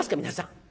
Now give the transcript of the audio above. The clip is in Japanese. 皆さん。